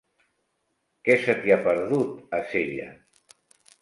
Què se t'hi ha perdut, a Sella?